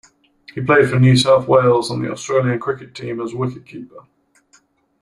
He played for New South Wales and the Australian cricket team as wicket-keeper.